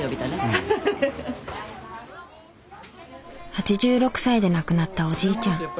８６歳で亡くなったおじいちゃん。